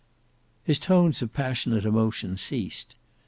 His tones of passionate emotion ceased.